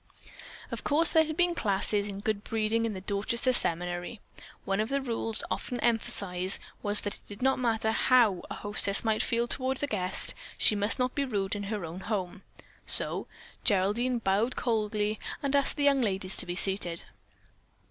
Of course there had been classes in good breeding in the Dorchester seminary. One of the rules often emphasized was that it did not matter how a hostess might feel toward a guest, she must not be rude in her own home. So Geraldine bowed coldly and asked the young ladies to be seated.